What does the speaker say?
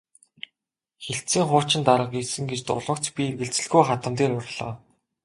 Хэлтсийн хуучин дарга ирсэн гэж дуулмагц би эргэлзэлгүй хадам дээр орлоо.